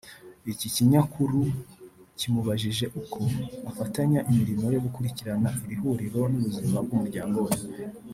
Iki kinyakuru kimubajije uko afatanya imirimo yo gukurikirana iri huriro n’ubuzima bw’umuryango we